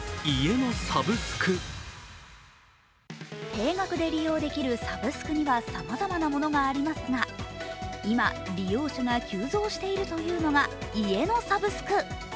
定額で利用できるサブスクにはさまざまなものがありますが、今、利用者が急増しているというのが家のサブスク。